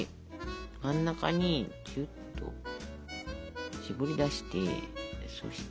真ん中にキュッとしぼり出してそして。